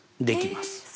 できます。